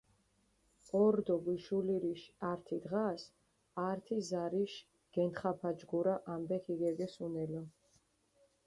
ორდო გიშულირიშ ართი დღას ართი ზარიშ გენთხაფაჯგურა ამბე ქიგეგეს უნელო.